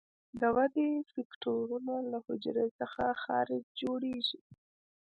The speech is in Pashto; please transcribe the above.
د ودې فکټورونه له حجرې څخه خارج جوړیږي.